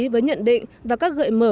với nhận định và các gợi mở